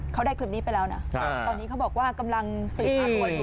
เขาได้คลิปนี้ไปแล้วนะตอนนี้เขาบอกว่ากำลังสืบหาตัวอยู่